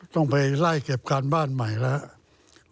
ต้องไปไล่เก็บการบ้านใหม่แล้ว